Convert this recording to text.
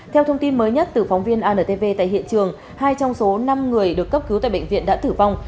theo thông tin mới nhất từ phóng viên antv tại hiện trường hai trong số năm người được cấp cứu tại bệnh viện đã tử vong